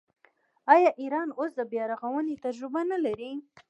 آیا ایران اوس د بیارغونې تجربه نلري؟